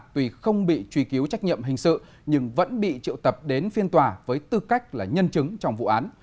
tuy không bị truy cứu trách nhiệm hình sự nhưng vẫn bị triệu tập đến phiên tòa với tư cách là nhân chứng trong vụ án